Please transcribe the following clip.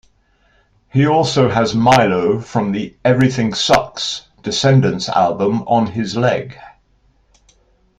He also has Milo from the "Everything Sucks" Descendents album on his leg.